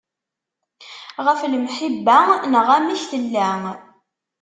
Ɣef lemḥibba neɣ amek tella.